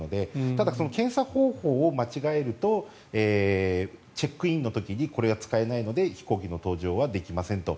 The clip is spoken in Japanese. ただ、検査方法を間違えるとチェックインの時にこれが使えないので飛行機の搭乗はできませんと。